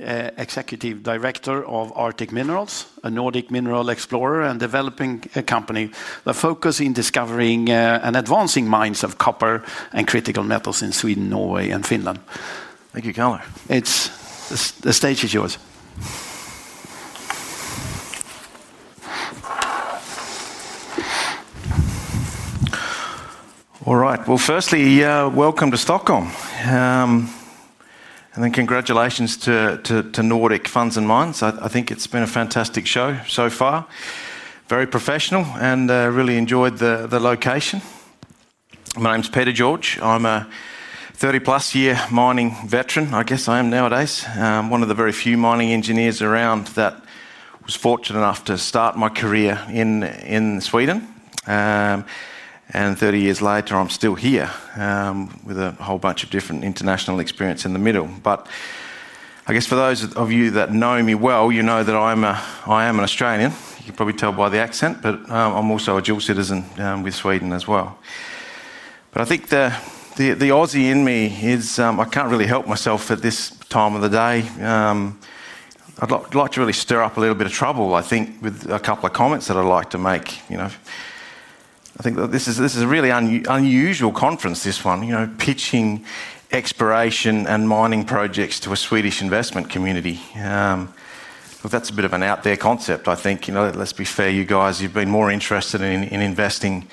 Executive Director of Arctic Minerals, a Nordic mineral explorer and developing company that focuses on discovering and advancing mines of copper and critical metals in Sweden, Norway, and Finland. Thank you, Kalle. The stage is yours. All right, firstly, welcome to Stockholm. Congratulations to Nordic Funds and Mines. I think it's been a fantastic show so far, very professional, and I really enjoyed the location. My name is Peter George. I'm a 30-plus year mining veteran, I guess I am nowadays. I'm one of the very few mining engineers around that was fortunate enough to start my career in Sweden. Thirty years later, I'm still here with a whole bunch of different international experience in the middle. For those of you that know me well, you know that I am an Australian. You can probably tell by the accent, but I'm also a dual citizen with Sweden as well. I think the Aussie in me is I can't really help myself at this time of the day. I'd like to really stir up a little bit of trouble, I think, with a couple of comments that I'd like to make. I think this is a really unusual conference, pitching exploration and mining projects to a Swedish investment community. That's a bit of an out-there concept, I think. Let's be fair, you guys, you've been more interested in investing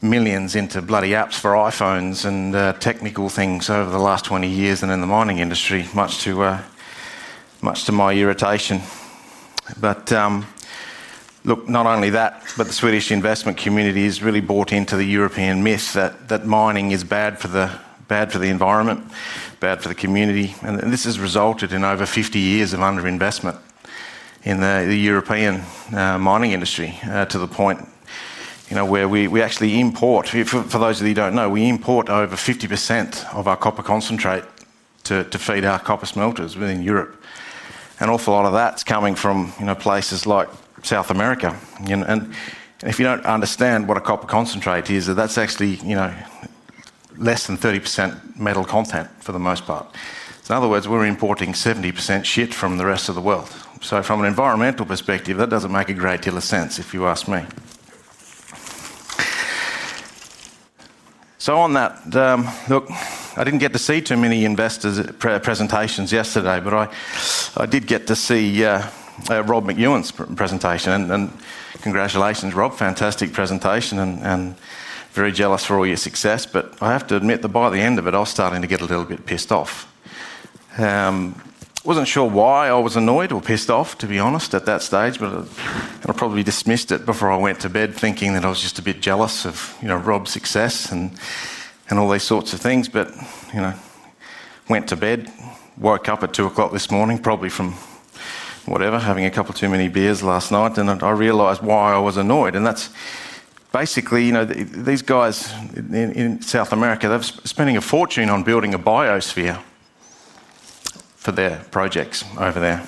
millions into bloody apps for iPhones and technical things over the last 20 years than in the mining industry, much to my irritation. Not only that, but the Swedish investment community has really bought into the European myth that mining is bad for the environment, bad for the community. This has resulted in over 50 years of underinvestment in the European mining industry to the point where we actually import, for those of you who don't know, we import over 50% of our copper concentrate to feed our copper smelters within Europe. An awful lot of that is coming from places like South America. If you don't understand what a copper concentrate is, that's actually less than 30% metal content for the most part. In other words, we're importing 70% shit from the rest of the world. From an environmental perspective, that doesn't make a great deal of sense, if you ask me. On that, I didn't get to see too many investors' presentations yesterday, but I did get to see Rob McEwen's presentation. Congratulations, Rob, fantastic presentation and very jealous for all your success. I have to admit that by the end of it, I was starting to get a little bit pissed off. I wasn't sure why I was annoyed or pissed off, to be honest, at that stage, but I probably dismissed it before I went to bed, thinking that I was just a bit jealous of Rob's success and all these sorts of things. I went to bed, woke up at 2:00 o'clock this morning, probably from whatever, having a couple too many beers last night, and I realized why I was annoyed. That's basically, you know, these guys in South America, they're spending a fortune on building a biosphere for their projects over there.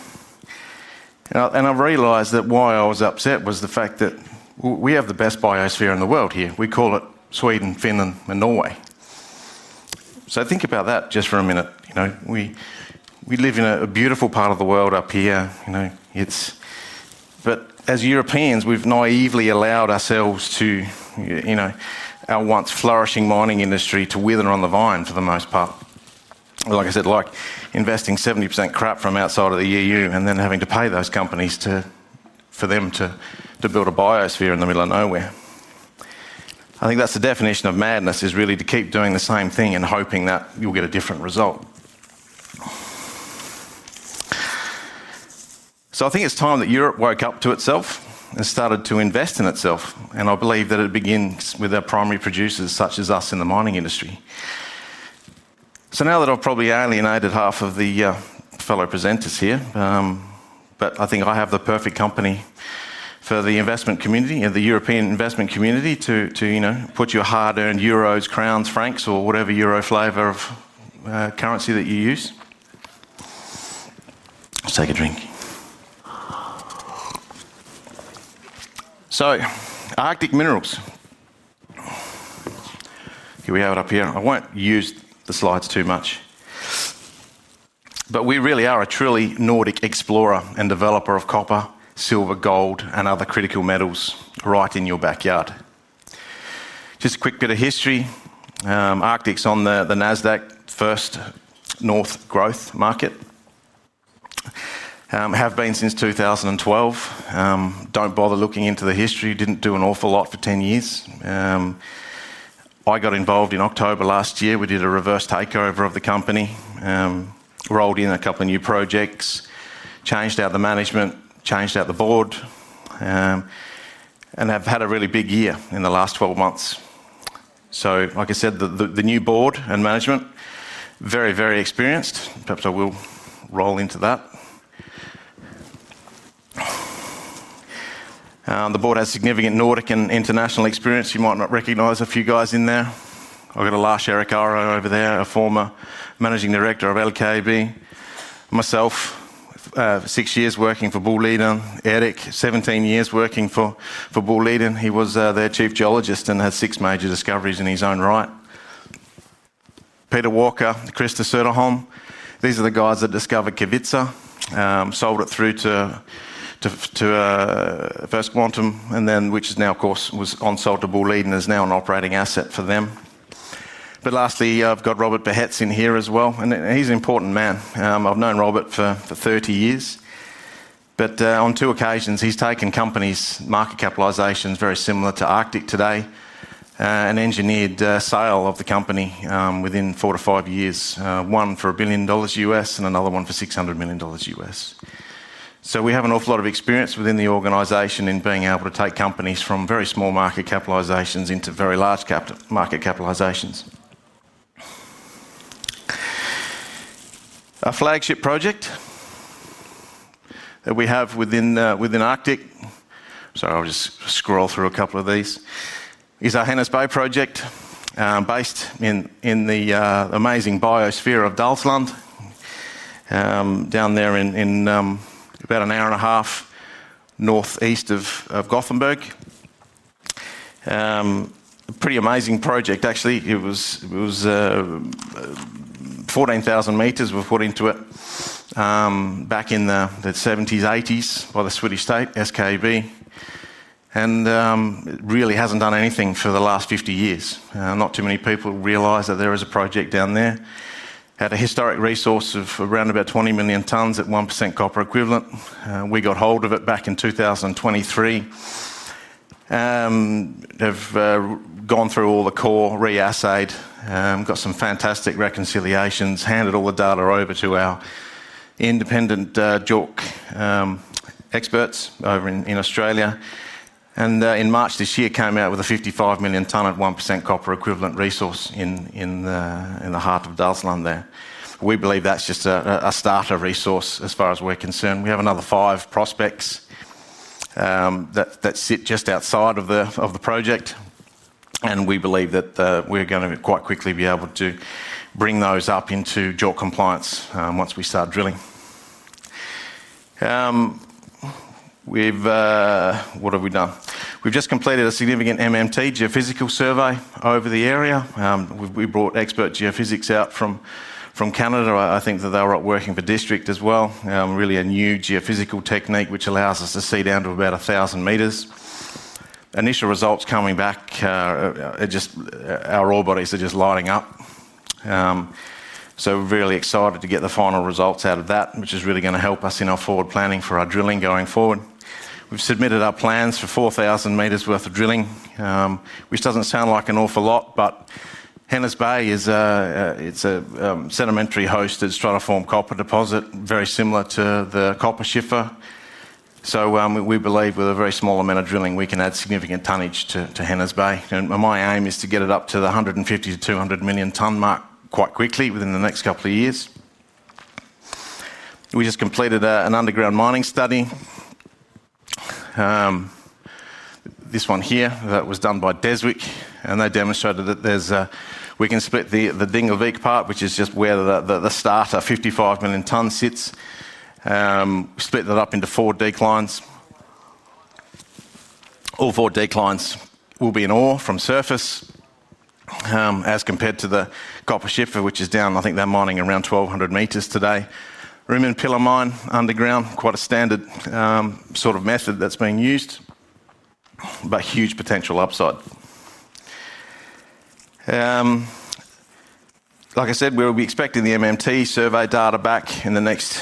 I realized that why I was upset was the fact that we have the best biosphere in the world here. We call it Sweden, Finland, and Norway. Think about that just for a minute. We live in a beautiful part of the world up here. As Europeans, we've naively allowed ourselves to, you know, our once flourishing mining industry to wither on the vine for the most part. Like I said, like investing 70% crap from outside of the EU and then having to pay those companies for them to build a biosphere in the middle of nowhere. I think that's the definition of madness, is really to keep doing the same thing and hoping that you'll get a different result. I think it's time that Europe woke up to itself and started to invest in itself. I believe that it begins with our primary producers, such as us in the mining industry. Now that I've probably alienated half of the fellow presenters here, I think I have the perfect company for the investment community and the European investment community to put your hard-earned euros, crowns, francs, or whatever euro flavor of currency that you use. Let's take a drink. Arctic Minerals. Here we are up here. I won't use the slides too much. We really are a truly Nordic explorer and developer of copper, silver, gold, and other critical metals right in your backyard. Just a quick bit of history. Arctic's on the Nasdaq First North Growth Market, have been since 2012. Don't bother looking into the history. Didn't do an awful lot for 10 years. I got involved in October last year. We did a reverse takeover of the company, rolled in a couple of new projects, changed out the management, changed out the board, and have had a really big year in the last 12 months. Like I said, the new board and management, very, very experienced. Perhaps I will roll into that. The board has significant Nordic and international experience. You might not recognize a few guys in there. I've got a lush Erik Aaro over there, a former Managing Director of LKB. Myself, six years working for Boliden. Erik, 17 years working for Boliden. He was their Chief Geologist and had six major discoveries in his own right. Peter Walker, the Krister Söderholm. These are the guys that discovered Kevitsa, sold it through to First Quantum, which is now, of course, was on-sold to Boliden, is now an operating asset for them. Lastly, I've got Robert Berhets in here as well, and he's an important man. I've known Robert for 30 years. On two occasions, he's taken companies' market capitalizations very similar to Arctic Minerals AB today and engineered a sale of the company within four to five years, one for $1 billion and another one for $600 million. We have an awful lot of experience within the organization in being able to take companies from very small market capitalizations into very large market capitalizations. Our flagship project that we have within Arctic, sorry, I'll just scroll through a couple of these, is our Hennes Bay Copper-Silver Project based in the amazing biosphere of Dalsland, down there in about an hour and a half northeast of Gothenburg. Pretty amazing project, actually. It was 14,000 m we put into it back in the 1970s, 1980s by the Swedish state, SKB. It really hasn't done anything for the last 50 years. Not too many people realize that there is a project down there at a historic resource of around about 20 million tons at 1% copper equivalent. We got hold of it back in 2023. They've gone through all the core, reassayed, got some fantastic reconciliations, handed all the data over to our independent JORC experts over in Australia. In March this year, came out with a 55 million ton of 1% copper equivalent resource in the heart of Dalsland there. We believe that's just a starter resource as far as we're concerned. We have another five prospects that sit just outside of the project. We believe that we're going to quite quickly be able to bring those up into JORC compliance once we start drilling. What have we done? We've just completed a significant MMT, geophysical survey over the area. We brought expert geophysics out from Canada. I think that they're working for District as well. Really a new geophysical technique which allows us to see down to about 1,000 meters. Initial results coming back, our ore bodies are just lighting up. We're really excited to get the final results out of that, which is really going to help us in our forward planning for our drilling going forward. We've submitted our plans for 4,000 meters worth of drilling, which doesn't sound like an awful lot, but Hennes Bay is a sedimentary host that's trying to form copper deposit, very similar to the copper shifer. We believe with a very small amount of drilling, we can add significant tonnage to Hennes Bay. My aim is to get it up to the 150 million-200 million ton mark quite quickly within the next couple of years. We just completed an underground mining study. This one here that was done by Deswik. They demonstrated that we can split the Dingelvik part, which is just where the starter 55 million ton sits. We split that up into four declines. All four declines will be in ore from surface as compared to the copper shifter, which is down, I think they're mining around 1,200 m today. Room and pillar mine underground, quite a standard sort of method that's being used, but huge potential upside. Like I said, we'll be expecting the MMT survey data back in the next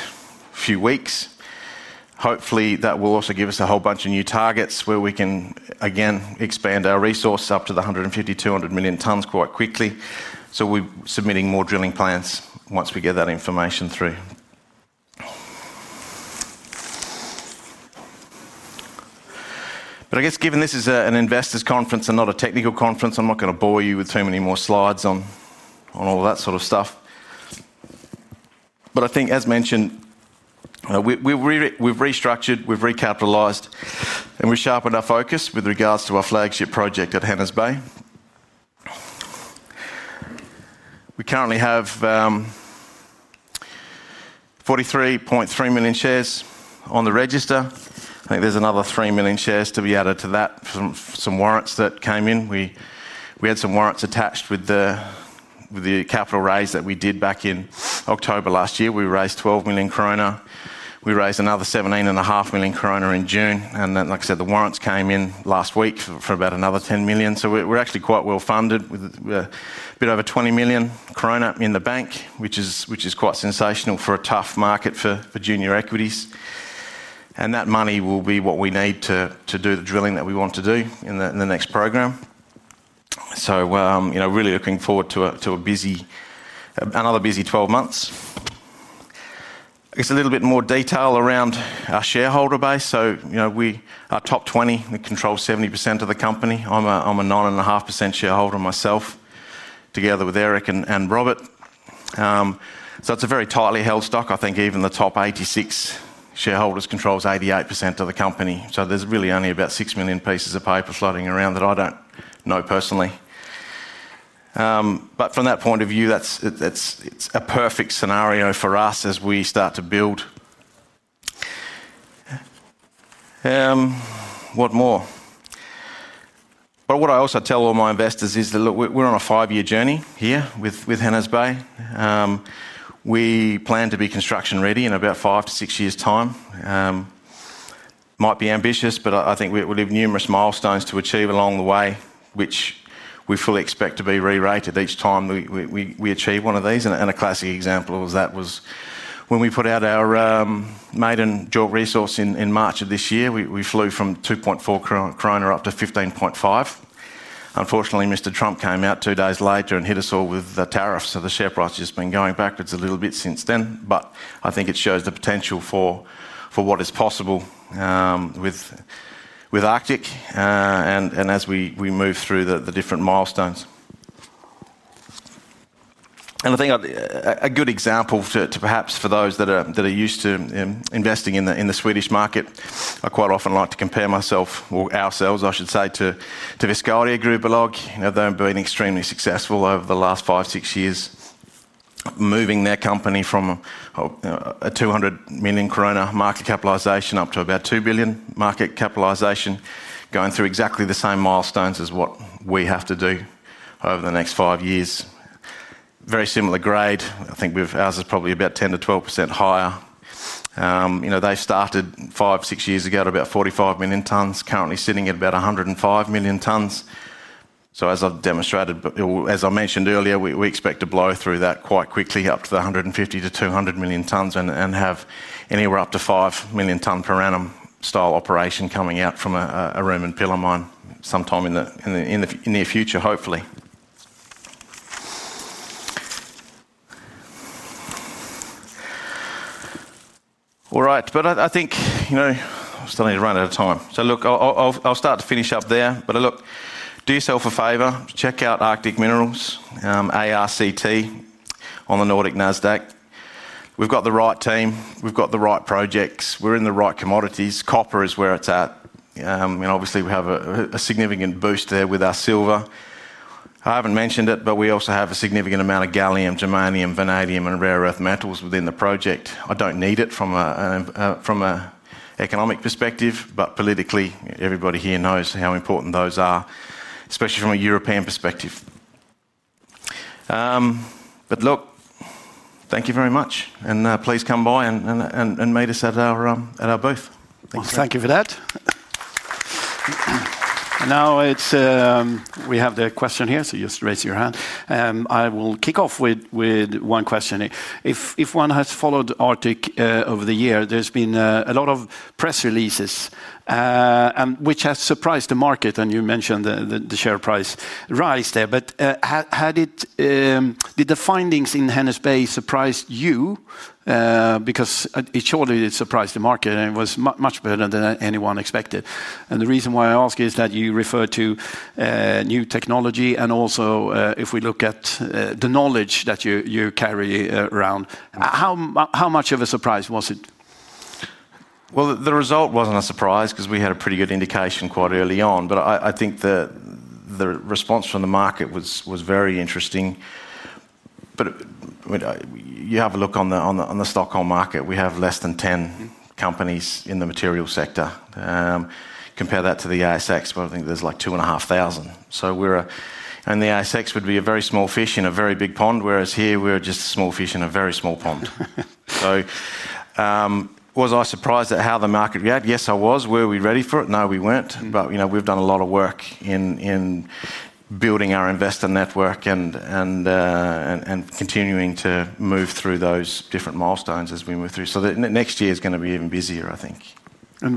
few weeks. Hopefully, that will also give us a whole bunch of new targets where we can again expand our resources up to the 150 million-200 million tons quite quickly. We're submitting more drilling plans once we get that information through. Given this is an investors' conference and not a technical conference, I'm not going to bore you with too many more slides on all that sort of stuff. I think, as mentioned, we've restructured, we've recapitalized, and we've sharpened our focus with regards to our flagship project at Hennes Bay. We currently have 43.3 million shares on the register. I think there's another 3 million shares to be added to that from some warrants that came in. We had some warrants attached with the capital raise that we did back in October last year. We raised 12 million krona. We raised another 17.5 million krona in June. Like I said, the warrants came in last week for about another 10 million. We're actually quite well funded with a bit over 20 million krona in the bank, which is quite sensational for a tough market for junior equities. That money will be what we need to do the drilling that we want to do in the next program. Really looking forward to another busy 12 months. A little bit more detail around our shareholder base. Our top 20 control 70% of the company. I'm a 9.5% shareholder myself, together with Erik and Robert. It's a very tightly held stock. I think even the top 86 shareholders control 88% of the company. There's really only about 6 million pieces of paper floating around that I don't know personally. From that point of view, it's a perfect scenario for us as we start to build. What more? What I also tell all my investors is that we're on a five-year journey here with Hennes Bay. We plan to be construction ready in about five to six years' time. Might be ambitious, but I think we'll have numerous milestones to achieve along the way, which we fully expect to be re-rated each time we achieve one of these. A classic example of that was when we put out our maiden JORC-compliant resource in March of this year. We flew from 2.4 kronor up to 15.5. Unfortunately, Mr. Trump came out two days later and hit us all with the tariffs. The share price has just been going backwards a little bit since then. I think it shows the potential for what is possible with Arctic as we move through the different milestones. A good example perhaps for those that are used to investing in the Swedish market, I quite often like to compare myself, or ourselves, I should say, to Boliden. They've been extremely successful over the last five, six years, moving their company from a 200 million krona market capitalization up to about 2 billion market capitalization, going through exactly the same milestones as what we have to do over the next five years. Very similar grade. I think ours is probably about 10%-12% higher. They started five, six years ago at about 45 million tons, currently sitting at about 105 million tons. As I've demonstrated, as I mentioned earlier, we expect to blow through that quite quickly up to the 150 million- 200 million tons and have anywhere up to 5 million ton per annum style operation coming out from a room and pillar mine sometime in the near future, hopefully. I think we're starting to run out of time. I'll start to finish up there. Do yourself a favor, check out Arctic Minerals, ARCT on the Nasdaq. We've got the right team. We've got the right projects. We're in the right commodities. Copper is where it's at. Obviously, we have a significant boost there with our silver. I haven't mentioned it, but we also have a significant amount of gallium, germanium, vanadium, and rare earth metals within the project. I don't need it from an economic perspective, but politically, everybody here knows how important those are, especially from a European perspective. Thank you very much. Please come by and meet us at our booth. Thank you for that. Now we have the question here, so just raise your hand. I will kick off with one question. If one has followed Arctic Minerals AB over the year, there's been a lot of press releases, which have surprised the market. You mentioned the share price rise there. Did the findings in the Hennes Bay Copper-Silver Project surprise you? It surely surprised the market and was much better than anyone expected. The reason why I ask is that you refer to new technology and also if we look at the knowledge that you carry around. How much of a surprise was it? The result wasn't a surprise because we had a pretty good indication quite early on. I think the response from the market was very interesting. You have a look on the Stockholm market. We have less than 10 companies in the material sector. Compare that to the ASX, I think there's like 2,500. We're a, and the ASX would be a very small fish in a very big pond, whereas here we're just small fish in a very small pond. Was I surprised at how the market reacted? Yes, I was. Were we ready for it? No, we weren't. We've done a lot of work in building our investor network and continuing to move through those different milestones as we move through. The next year is going to be even busier, I think.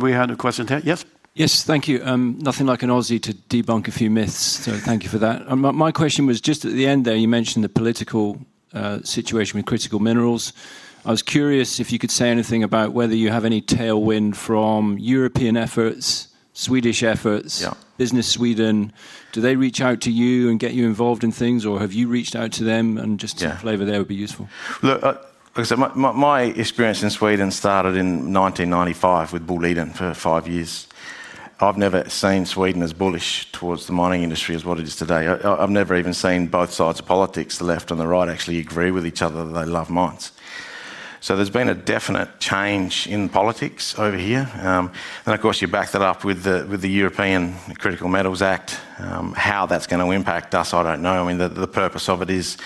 We had a question. Yes? Yes, thank you. Nothing like an Aussie to debunk a few myths. Thank you for that. My question was just at the end there, you mentioned the political situation with Critical Minerals. I was curious if you could say anything about whether you have any tailwind from European efforts, Swedish efforts, Business Sweden. Do they reach out to you and get you involved in things, or have you reached out to them? Just a flavor there would be useful. Look, like I said, my experience in Sweden started in 1995 with Boliden for five years. I've never seen Sweden as bullish towards the mining industry as what it is today. I've never even seen both sides of politics, the left and the right, actually agree with each other that they love mines. There's been a definite change in politics over here. Of course, you back that up with the European Critical Raw Materials Act. How that's going to impact us, I don't know. I mean, the purpose of it is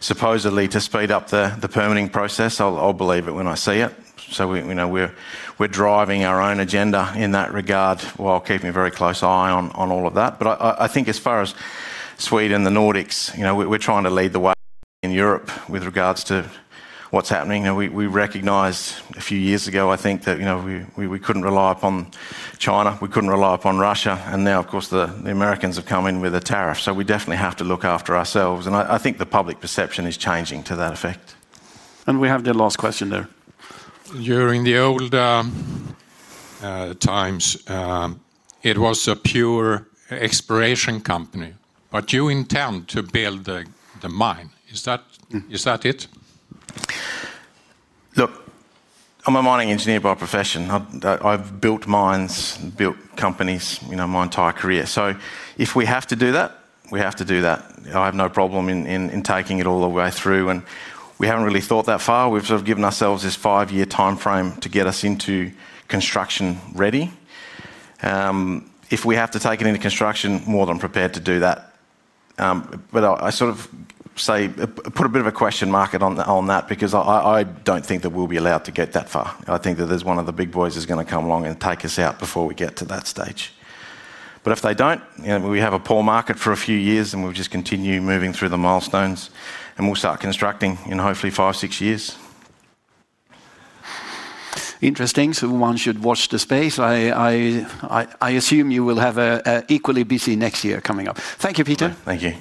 supposedly to speed up the permitting process. I'll believe it when I see it. We're driving our own agenda in that regard while keeping a very close eye on all of that. I think as far as Sweden, the Nordics, we're trying to lead the way in Europe with regards to what's happening. We recognized a few years ago, I think, that we couldn't rely upon China. We couldn't rely upon Russia. Now, of course, the Americans have come in with a tariff. We definitely have to look after ourselves. I think the public perception is changing to that effect. We have the last question there. During the old times, it was a pure exploration company. You intend to build the mine. Is that it? Look, I'm a mining engineer by profession. I've built mines, built companies my entire career. If we have to do that, we have to do that. I have no problem in taking it all the way through. We haven't really thought that far. We've given ourselves this five-year timeframe to get us into construction ready. If we have to take it into construction, more than prepared to do that. I sort of put a bit of a question mark on that because I don't think that we'll be allowed to get that far. I think that there's one of the big boys that's going to come along and take us out before we get to that stage. If they don't, we have a poor market for a few years and we'll just continue moving through the milestones and we'll start constructing in hopefully five or six years. Interesting. One should watch the space. I assume you will have an equally busy next year coming up. Thank you, Peter. Thank you.